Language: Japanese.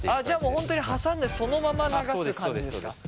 じゃもう本当に挟んでそのまま流す感じですか？